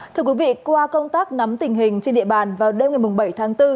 thưa quý vị qua công tác nắm tình hình trên địa bàn vào đêm ngày bảy tháng bốn